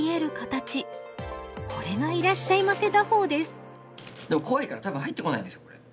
これがでも怖いから多分入ってこないんですよこれ。